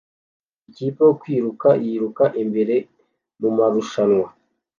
Ikipe yo kwiruka yiruka imbere mumarushanwa